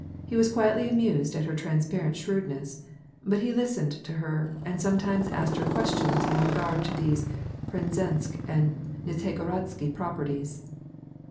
He was quietly amused at her transparent shrewdness ; but he listened to her, and sometimes asked her questions in regard to these Penzensk and Nizhego rodsky properties.